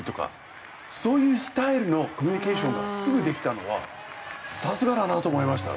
そういうスタイルのコミュニケーションがすぐできたのはさすがだなと思いました。